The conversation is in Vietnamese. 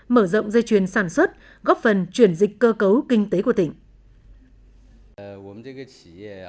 mở rộng dây chuyền sản xuất góp phần chuyển dịch cơ cấu kinh tế của tỉnh